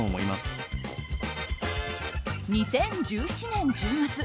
２０１７年１０月